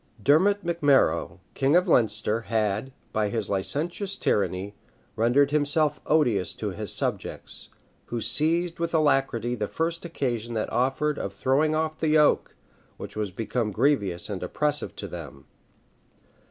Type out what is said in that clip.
Dermot Macmorrogh, king of Leinster, had, by his licentious tyranny, rendered himself odious to his subjects, who seized with alacrity the first occasion that offered of throwing off the yoke, which was become grievous and oppressive to them.